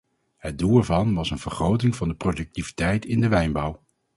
Het doel ervan was een vergroting van de productiviteit in de wijnbouw.